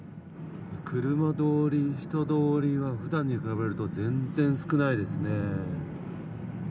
車通り、人通りは普段に比べると全然少ないですね。